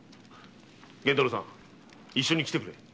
源太郎さん一緒に来てくれ。